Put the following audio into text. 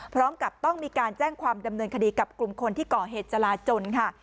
พร้อมกับต้องมีการแจ้งความดำเนินคดีกับกลุ่มคนที่ก่อเหตุจราจนค่ะ